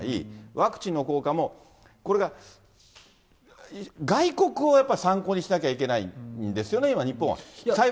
ワクチンの効果もこれが外国をやっぱり参考にしなきゃいけないんですよね、今、日本は。